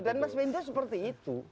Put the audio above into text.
dan mas windo seperti itu